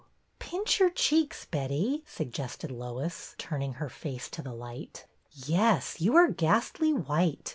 Pinch your cheeks, Betty," suggested Lois, turning her face to the light. ''Yes, you are ghastly white.